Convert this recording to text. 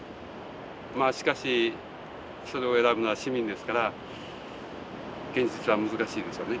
まあしかしそれを選ぶのは市民ですから現実は難しいですよね。